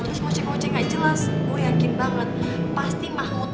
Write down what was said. terus ngocek ngocek gak jelas gue yakin banget pasti mahmud